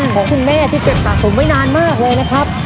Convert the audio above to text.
ของคุณแม่ที่เก็บสะสมไว้นานมากเลยนะครับ